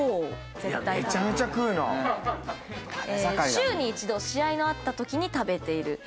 週に一度試合のあったときに食べている。